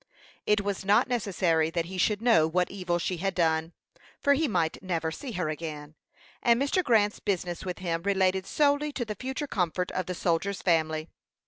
It was not necessary that he should know what evil she had done, for he might never see her again, and Mr. Grant's business with him related solely to the future comfort of the soldier's family.